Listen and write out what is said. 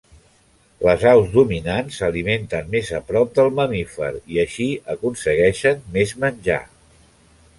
Les aus dominants s'alimenten més a prop del mamífer i així aconsegueixen més menjar.